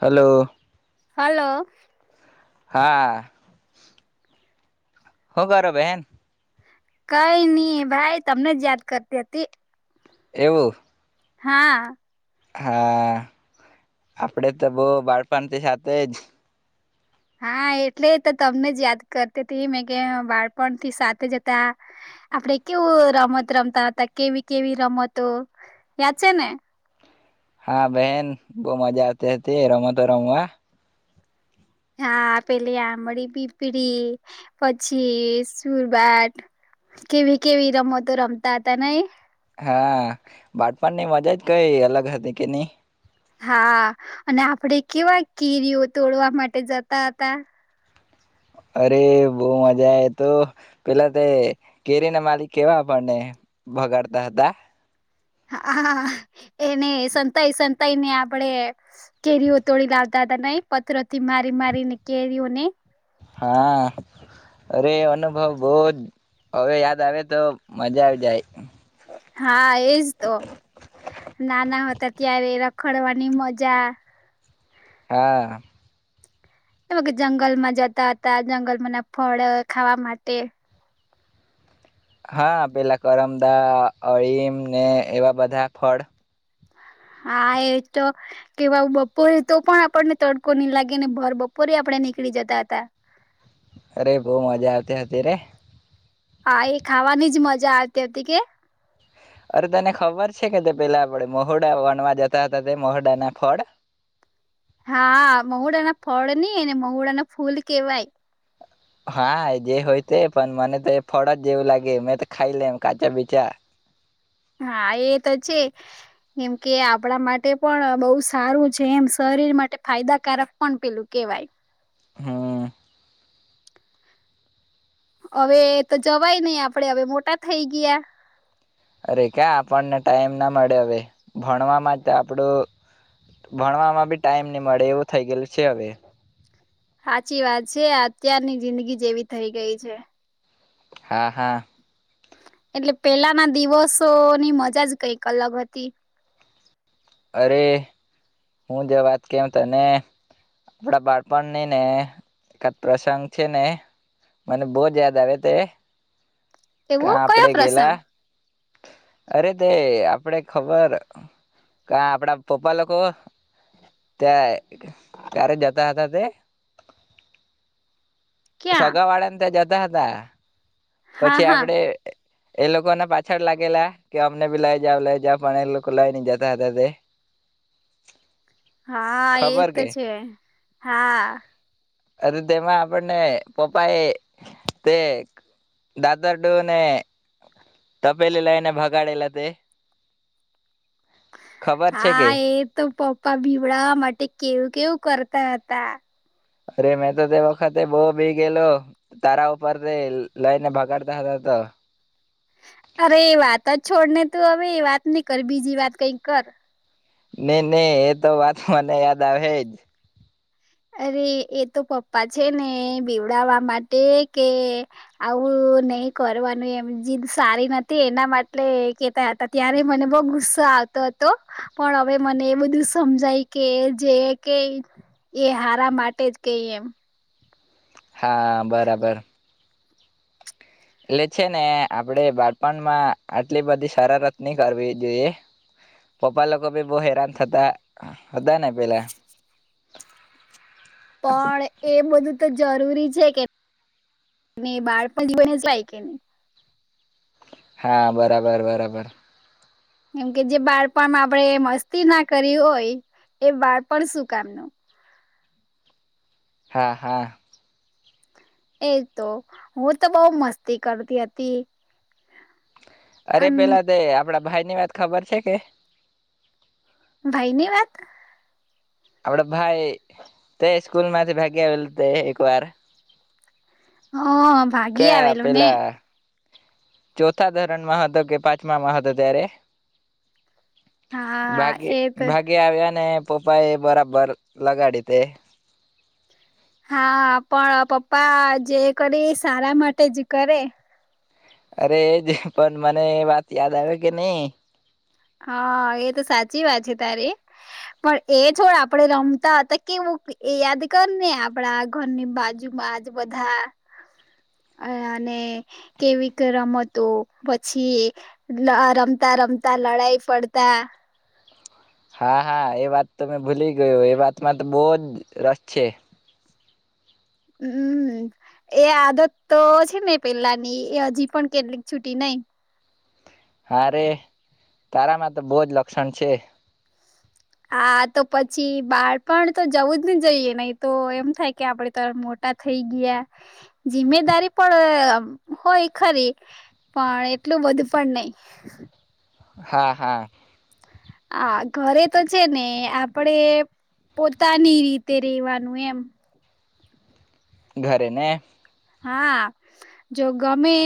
Hello! Hello! હા! હું કરો બેન? કાઈ ની ભાઈ. તમને જ યાદ કરતી હતી. એવું. હા! હા, આપડે તો બહુ બાળપણથી સાથે જ હા, એટલે તો તમને જ યાદ કરતી તી. મેં કે બાળપણથી સાથે હતા, આપડે કેવું રમત રમતા હતા, કેવી કેવી રમતો, યાદ છે ને? હા, બહેન બહુ મજા આવતી હતી, રમતો રમવા. હા, પેલી આમળી-પીપળી પછી સુરબાટ. કેવી-કેવી રમતો રમતા હતા નઈ? હા, બાળપણ ની મજા જ કઈ અલગ હતી કે ની? હા, અને આપડે કેવા કેરીઓ તોડવા માટે જતા હતા. અરે! બહુ મજા એ તો. પેલા તે કેરી ના માલિક કેવા આપણને ભગાડતા હતા. હા, એને સંતાઈ-સંતાઈ ને આપડે કેરીઓ તોડી લાવતા હતા નઈ, પથરોથી મારી મારીને કેરીઓને હા, અરે એ અનુભવ બહુ જ, હવે યાદ આવે તો મજા આવી જાય. હા, એજ તો, નાના હતા ત્યારે રખડવાની મજા હા! એમાં કે જંગલમાં જતા હતા, જંગલમાં ના ફળ ખાવા માટે. હા, પેલા કરમદા, અળીમ ને એવા બધા ફળ. હા, એ તો કેવા બપોરે તો પણ આપણને તડકો નહી લાગે ને ભર બપોરે આપણેે નીકળી જતા હતા. અરે! બહુ મજા આવતી હતી રે. હા, એ ખાવાની જ મજા આવતી હતી કે. અરે! તને ખબર છે કે, તે પેલા આપણે મહોડા વાનવા જતા હતા, તે મહોડા ના ફળ? હા, મહુડાના ફળ ની, એને મહુડા ના ફૂલ કેવાય. હા, ઈ જે હોય તે, પણ મને તો એ ફળ જ એવું લાગે. મેં તો ખાઈ લેમ કાચા-પીચા. હા, એ તો છે. કેમ કે, આપણા માટે પણ બહુ સારું છે એમ, શરીર માટે ફાયદાકારક પણ પેલું કેવાય. હમ્મ. હવે તો જવાય નઈ, આપડે હવે મોટા થઈ ગયા. અરે! ક્યા આપણને ટાઈમ ના મળે હવે. ભણવામાં તો આપડું ભણવામાં બી ટાઈમ નહી મળે. એવું થઈ ગયેલું છે હવે. સાચી વાત છે. આત્યારની જિંદગી જ એવી થઈ ગઈ છે. હા, હા. એટલે પેલાના દિવસોની મજા જ કંઈક અલગ હતી. અરે! હું જેવ વાત કેઉં તને આપણા બાળપણની ને એકાદ પ્રસંગ છે ને, મને બહુ જ યાદ આવે તે. કા કેવું, કયો આપડે પ્રસંગ? ગેલા અરે તે આપડે ખબર કા આપડા પપ્પા લોકો ત્યાં ક્યારે જતા હતા તે. ક્યાં સગા વાળાને તે જાત તા હતા. હા પછી હા આપડે એ લોકોને પાછળ લાગેલા કે અમને બી લઈ જાઓ, લઈ જાવ પણ એ લોકો લઈ નઈ જતા હતા તે હા એ ખબર તો કે છે હા. અરે તેમાં આપણને પપ્પા એ તે દાદર ડો ને તપેલી લઈને ભગાડેલા તે ખબર છે હા કે એ તો પપ પા બિવડાવા માટે કેવ-કેવું કરતા હતા. અરે મેં તો તે વખતે બોહ બી ગયેલો. તારા ઉપર રે લઈને ભગાડતા હતા તો. અરે એ વાત જ છોડને તું હવે એ વાત નહી કર બીજી વાત કઈક કર. નહી નહી એ તો વાત મને યાદ આવેજ. અરે એ તો પપ્પા છે ને બિવડાવવા માટે કે આવું નહી કરવાનું એમ જીદ સારી નથી એના માટલે કેતા હતા. ત્યારે મને બહઉ ગુસ્સો આવતો હતો, પણ હવે મને એ બધું સમજાય કે જે કે એ હારા માટે જ કઈ એમ હા બરાબર. એટલે છે ને આપડે બાળપણમાં આટલી બધી સરારત ની કરવી જોઈએ. પપ્પા લોકો ભી બહુ હેરાન થતા હતા ને પેલા પણ એ બધું તો જરૂરી છે કે [inaudible] હા, બરાબર બરાબર. કેમ કે જે બાળપણ આપડે મસ્તી ના કરી હોય એ બાળપણ શું કામનું? હા હા. એ તો હું તો બહુ મસ્તી કરતી હતી. અરે આમ પેલા તે આપ આપડા ભાઈ ની વાત ખબર છે કે? ભાઈની વાત? આપડે ભાઈ તે સ્કૂલ માંથી ભાગી આવેલ તે એક વાર. હા ભાગી કયા આવેલું ને. પેલા ચોથા ધરણમાં હતો કે પાંચમામાં હતો ત્યારે હા ભાગી એ તો ભાગે આવ્યા અને પપ્પાએ બરાબર લગાડી તે. હા, પણ પપ્પા જે કરી સારા માટે જ કરે. અરે એજ પણ મને એ વાત યાદ આવે કે નહી. હા, એ તો સાચી વાત છે તારી. પણ એ છોડ આપડે રમતા હતા કેવું એ યાદ કર ને આપડા ઘરની બાજુમાંજ બધા અહ અને કેવી રમતો પછી રમતા રમતા લડાઈ ફડતા. હા હા એ વાત તો મેં ભૂલી ગયો એ વાતમાં તો બહુજ રસ છે. હમ્મ એ આદત તો છે ને પેલાની એ હજી પણ કેટલીક છુટી નઈ. હારે. તારામાં તો બોહજ લક્ષણ છે. હા તો પછી બાળપણ તો જવું જ નને જઈએ નહી તો એમ થાય કે આપડે તો મોટા થઈ ગયા જિમ્મેદારી પણ અહ હોય ખરી પણ એટલું બધું પણ નઈ. હા હા. હા, ઘરે તો છે ને આપડે પોતાની રીતે રેવાનું એમ. ઘરે ને? હા. જો ગમે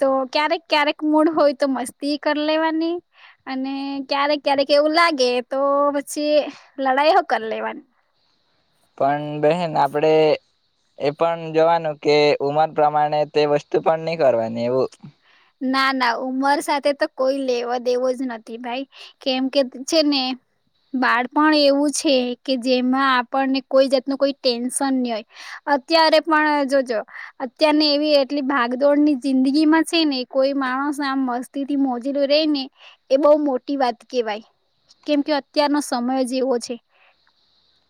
તો ક્યારેક ક્યારેક મૂળ હોય તો મસ્તી કર લેવાની અને ક્યારેક ક્યારેક એવું લાગે તો પછી લડાઈઓ કર લેવાન પણ બેહેન આપડે એ પણ જોવાનું કે ઉમર પ્રમાણે તે વસ્તુ પણ નહી કરવાની એવું. ના ના ઉમર સાથે તો કોઈ લેવા દેવો જ નથી ભાઈ. કેમ કે છે ને બાળપણ એવું છે કે જેમાં આપણને કોઈ જાતનું કોઈ ટેન્શન નહી હોય. અત્યારે પણ જોજો અત્યારને એવી એટલી ભાગદોડની જિંદગીમાં છે ને કોઈ માણસ આમ મસ્તી થી મોજેલો રે ને એ બહુ મોટી વાત કેહેવાય. કેમ કે અત્યારનો સમય જેવો છે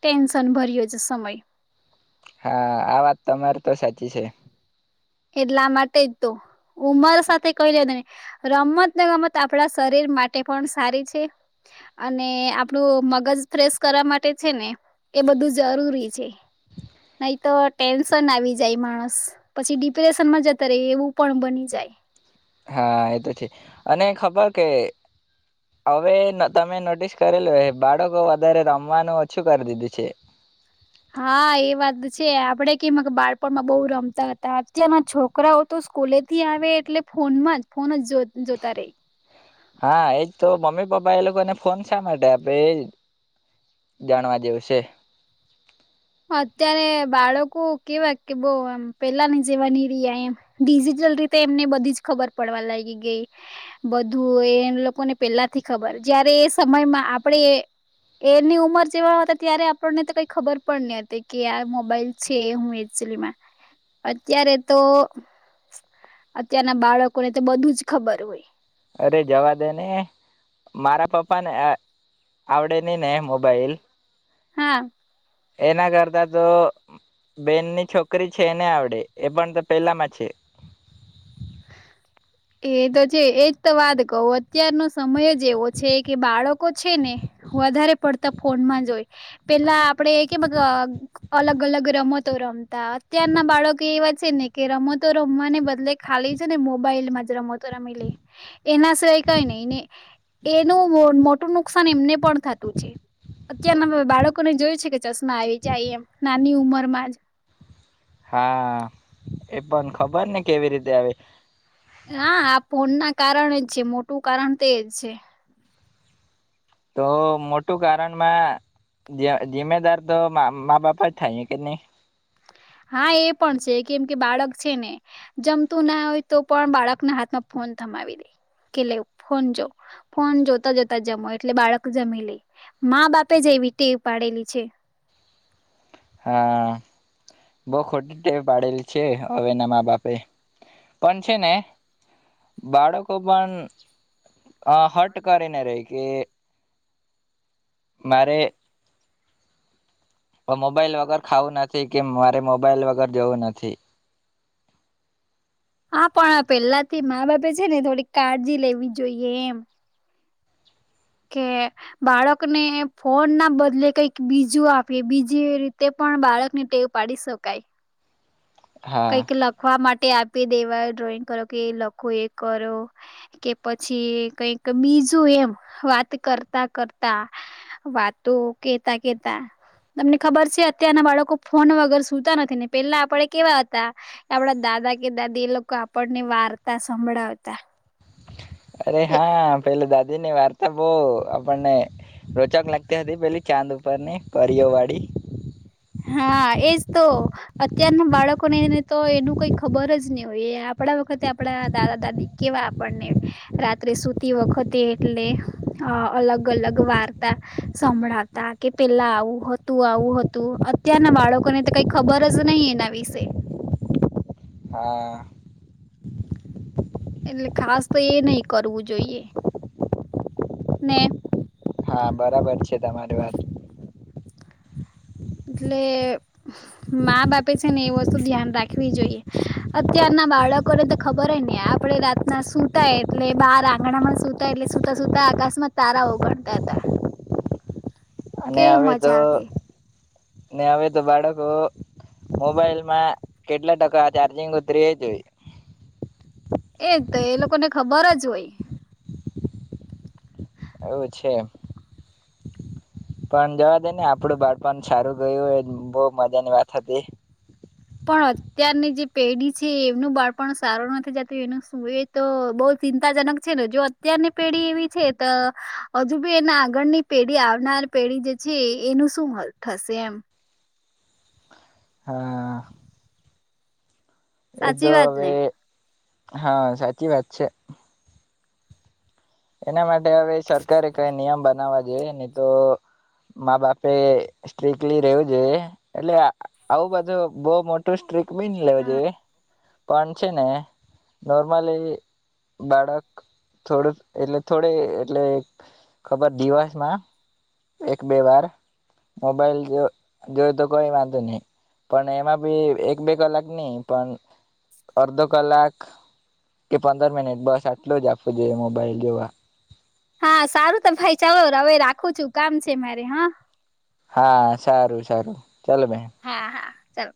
ટેન્શન ભર્યો છે સમય. હા, આ વાત તમાર તો સાચી છે. લા માટે જ તો. ઉમર સાથે કહી લેને નહીં. રમત ને ગમત આપણા શરીર માટે પણ સારી છે અને આપણું મગજ ફ્રેશ કરવા માટે છે ને એ બધું જરૂરી છે. નહી તો ટેન્શન આવી જાય માણસ પછી ડિપ્રેશન માં જતા રહે એવું પણ બની જાય. હા એતો છે. અને ખબર કે હવે તમે નોટિસ કરેલો બાળકો વધારે રમવાનું ઓછું કરી દીધું છે. હા એ વાત છે. આપડે કે બાળપણમાં બહુ રમતા હતા અત્યારના છોકરાઓ તો સ્કૂલેથી આવે એટલે ફોનમાં જ ફોન જ જોતા રહી. હા એજ તો મમ્મી પપ્પા એ લોકોને ફોન શા માટે આપે એ જાણવા દવુંશે. અત્યારે બાળકો કેવાય કે બો હમ પેલાની જેવા ની રેહા એમ ડિજિટલ રીતે એમને બધી જ ખબર પડવા લાગી ગઈ બધું એ લોકોને પેલા થી ખબર જયારે એ સમયમાં આપડે એની ઉંમર જેવાતા ત્યારે આપણને કઈ ખબર. પણ હતી કે આ મોબાઈલ છે હું એચલીમાં અત્યારે તો. [unintelligible] અત્યારના બાળકોને તો બધું જ ખબર હોય. અરે જવા દે ને. મારા પપ્પા ને અ આવડે નઈ ને એ મોબાઈલ. હા. એના કરતા તો બેનની છોકરી છે. એને આવડે એ પણ તો પેલામાં છે. એ તો છે એજ તો વાત કહું અત્યારનો સમય જ એવો છે કે બાળકો છે ને વધારે પડતા ફોન માં જ હોય પેલા આપડે એ કે મત અલગ અલગ રમતો રમતા અત્યારના બાળકો એવા છે ને કે રમતો રમવાને બદલે ખાલી છે ને મોબાઈલ માં. રમતો રમી લે એના સિવાય ક ને એનું મોટું નુકસાન એમને પણ થતું છે અત્યારના બાળકોને જોયું છે કે ચશ્મા આવી જાય એમ નાની ઉમરમાં જ. હા એ પણ ખબર ને કેવી રીતે આવે. હા આ ફોન ના કારણ જ છે મોટું કારણ તેજ છે. તો મોટું કારણમાં જિમ્મેદાર તો મા બાપા જ થાય કે નહી. હા એ પણ છે કેમ કે બાળક છે ને જમતું ના હોય તો પણ બાળકના હાથમાં ફોન થમાવી દે કે લે ફોન જો ફોન જોતા જોતા જમો એટલે બાળક જમી લે મા બાપે જેવી તેવ પાડેલી છે. હા બો ખોટ્ટે પાડેલી છે. હવે એના મા બાપે પણ છે ને બાળકો પણ. અ હટ કરેને રહી કે. મારે. વ મોબાઈલ વગર ખાવું નથી કે મારે મોબાઈલ વગર જવું નથી. હા પણ પેહલાથી મા બાપે છે ને થોડીક કાળજી લેવી જોઈએ એમ. કે બાળકને ફોન ના બદલે કઈક બીજું આપી બીજી રીતે પણ બાળક ને ટેવ પાડી શકાય. હા કંઈક લખવા માટે. તે આપી દેવા ડ્રોઈંગ કરો કે એ લખો એ કરો કે પછી કઈક બીજું એમ વાત કરતા કરતા વાતો કેતા કેતા તમને ખબર છે અત્યારના બાળકો ફોન વગર સુૂતા નથી ને પેલા આપડે કેવા. આપડા દાદા કે દાદી એ લોકો આપણની વાર્તા સંભળાવતા અરે એ હા પેલા દાદી ની વાર્તા બો આપણને રોચક લાગતી હતી પેલી ચાંદ ઉપરની પરરીઓ વાળી. હા એજ તો અત્યારના બાળકોનેને તો એનું કઈ ખબર જ નહી હોય આપણા વખતે આપડા દાદા દાદી કેવા આપણને રાત્રે સુતી વખતે એટલે અલગ અલગ વાર્તા સંભળાવતા કે પેલા આવું હતું આવું હતું. અત્યારના બાળકોને તો કઈ ખબર જ નહી એના વિશેય હા. એટલે ખાસ તો એ નહિ કરવું જોઈએ. ને. હા બરાબર છે તમારી વાત. એટલે મા બાપે છે ને એ વસ્તુ ધ્યાન રાખવી જોઈએ અત્યારના બાળકોને તો ખબર હો ને આપણેે રાતના સુતાય એટલે બહાર આંગણામાં સુતાય એટલે સુતા સુતા આકાશમાં તારા ઓ ગણતા હતા. અને કેવી હવે તો મજા આવતી ને હવે તો બાળકો મોબાઈલમાં કેટલા ટકા ચાર્જિંગ ઉતરી એજ જોઈ. એજ તો એ લોકોને ખબર જ હોય. એવું છે. પણ જવા દેને આપડું બાળપણ સારું ગયું એજ બોહ મજા ની વાત હતી. પણ અત્યારની જે પેઢી છે એમનું બાળપણ સારું નથી જતું એનું શું એ તો બહ ચિંતાજનક છે ને જો અત્યારની પેઢી એવી છે તો હજુ બી એના આગળની પેઢી આવનાર પેઢી જે છે એનું શું થશે એમ. હા.. એ સાચી તો વાત ને. હવે હા સાચી વાત છે. એના મા હવે સરકારે કઈ નિયમ બનાવવા જઈને તો મા બાપે સ્ટ્રીકલી રેવું જોઈએ એટલે આવું બધું બહુ મોટું સ્ટ્રીક બી ની રેવું હા જોઈએ, પણ છે ને નોર્મલી બાળક થોડું એટલે થોડે એટલે ખબર દીવસ માં એક બે વાર મોબાઈલ જો જોય તો કોઈ વાંધો ની પણ એમાં બી એક બે કલાક ની, પણ અડધો કલાક કે પંદર મિનિટ બસ આટલું જ આપવું જોઈએ મોબાઈલ જોવા. હા સારું તો ભાઈ ચાલો હવે રાખું છું કામ છે મારે હા. હા, સારું સારું. ચાલો ભાઈ. હા હા ચાલો.